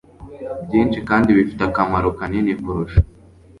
byinshi kandi bifite akamaro kanini kurusha